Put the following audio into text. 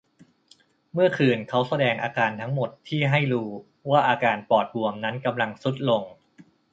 เมื่อคืนเขาแสดงอาการทั้งหมดที่ให้รูว่าอาการปอดบวมนั้นกำลังทรุดลง